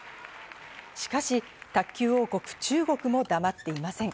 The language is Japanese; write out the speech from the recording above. しかし卓球王国・中国も黙っていません。